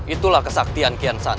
itulah kesaktian kian san